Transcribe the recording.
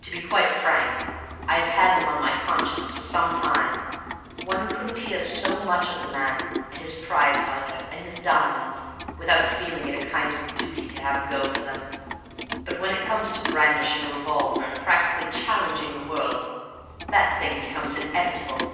To be quite frank, I have had them on my conscience for some time; one couldn't hear so much of the man, and his prize fighter, and his diamonds, without feeling it a kind of duty to have a go for them; but when it comes to brandishing a revolver and practically challenging the world, the thing becomes inevitable.